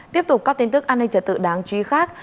tiếp tục các tin tức an ninh trật tự đáng chú ý khác